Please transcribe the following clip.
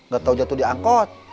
gak tau jatuh diangkot